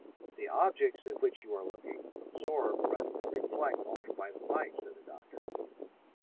"The objects at which you are looking absorb rather than reflect ultra violet light," said the doctor.